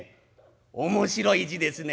面白い字ですね」。